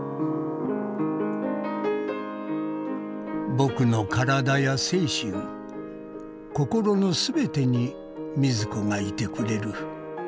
「僕の体や精神心のすべてに瑞子がいてくれる。